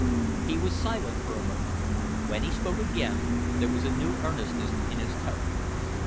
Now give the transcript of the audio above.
He was silent for a moment. When he spoke again there was a new earnestness in his tone.